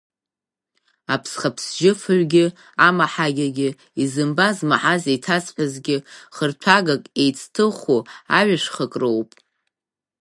Аԥсхаԥсжьыфаҩгьы, амаҳагьагьы, изымбаз-змаҳаз еиҭазҳәазгьы, хырҭәагак еицҭыху аҩашәхак роуп.